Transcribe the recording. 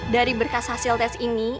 dari berkas hasil tes ini